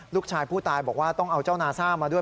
ลูกชายผู้ตายบอกว่าต้องเอาเจ้านาซ่ามาด้วย